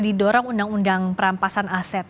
didorong undang undang perampasan aset